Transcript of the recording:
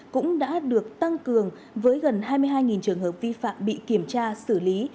cũng đã được tăng cường với gần hai mươi hai trường hợp vi phạm bị kiểm tra xử lý